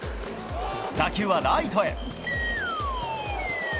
打球はライトへ。